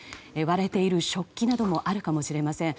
割れている食器などもあるかもしれません。